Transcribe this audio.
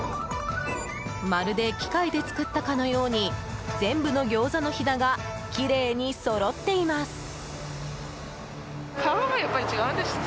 まるで機械で作ったかのように全部のギョーザのひだがきれいにそろっています。